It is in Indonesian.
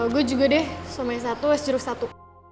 gue juga deh soma yang satu es jeruk satu